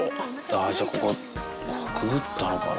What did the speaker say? あっ、じゃあここ、くぐったのかな。